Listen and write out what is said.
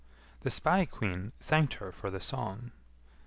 The spae queen thanked her for the song.